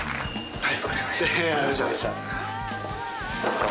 はい！